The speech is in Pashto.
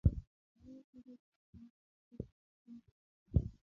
مه وېرېږی چي دښمن به مي چېرته او څنګه ووژني